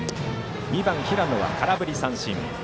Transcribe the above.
２番、平野は空振り三振。